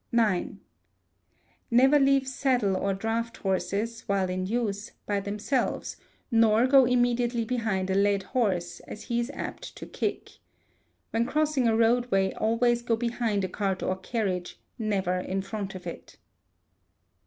ix. Never leave saddle or draught horses, while in use, by themselves; nor go immediately behind a led horse, as he is apt to kick. When crossing a roadway always go behind a cart or carriage, never in front of it.